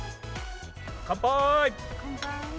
かんぱーい！